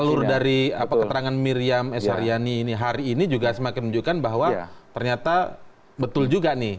alur dari keterangan miriam s haryani hari ini juga semakin menunjukkan bahwa ternyata betul juga nih